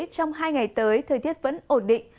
trong hai ngày tới thời tiết vẫn ổn định